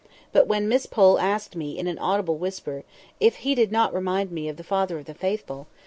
But when Miss Pole asked me, in an audible whisper, "if he did not remind me of the Father of the Faithful?"